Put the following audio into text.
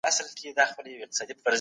خلګ بايد مرسته وکړي.